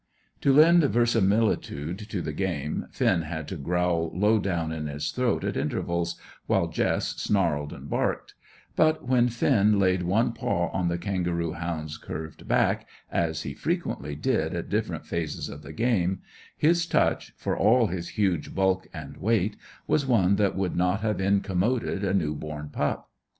To lend verisimilitude to the game Finn had to growl low down in his throat at intervals, while Jess snarled and barked; but when Finn laid one paw on the kangaroo hound's curved back, as he frequently did at different phases of the game, his touch, for all his huge bulk and weight, was one that would not have incommoded a new born pup.